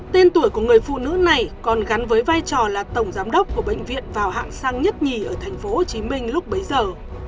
tên tuổi của người phụ nữ này còn gắn với vai trò là tổng giám đốc của bệnh viện vào hạng xăng nhất nhì ở tp hcm lúc bấy giờ